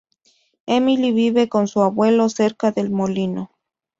Emily vive con su abuelo cerca del molino.